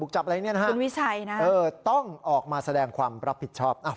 บุกจับอะไรเนี่ยนะฮะต้องออกมาแสดงความรับผิดชอบคุณวิชัยนะฮะ